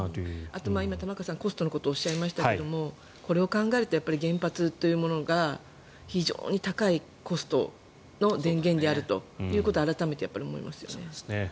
あとは今、玉川さんがコストのことをおっしゃいましたけれどこれを考えると原発というものが非常に高いコストの電源であるということを改めて思います。